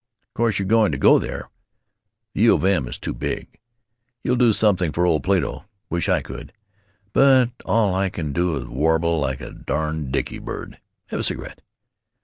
Course you're going to go there. The U. of Minn. is too big.... You'll do something for old Plato. Wish I could. But all I can do is warble like a darn' dicky bird. Have a cigarette?...